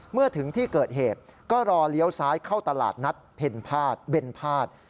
เมื่อถึงที่เกิดเหตุก็รอเลี้ยวซ้ายเข้าตลาดนัดเพ็ญภาษเบนพาด